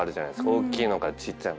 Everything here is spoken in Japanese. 大きいのからちっちゃいの。